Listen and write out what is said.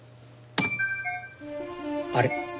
あれ？